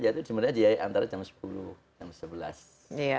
jadi sebenarnya diantara jam sepuluh dan sebelas